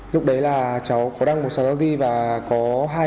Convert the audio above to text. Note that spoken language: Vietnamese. lúc đấy là cháu có đăng một xe tăng đi và có hai xe tăng đi